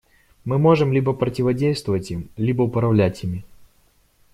Мы можем либо противодействовать им, либо управлять ими.